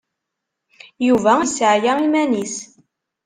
Yuba yesseɛya iman-is.